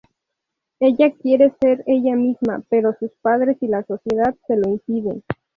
Ella quiere ser ella misma, pero sus padres y la sociedad se lo impiden.